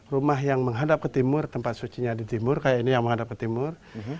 rumah yang menghadap ke timur tempat sucinya di timur kayak ini yang menghadap ke timur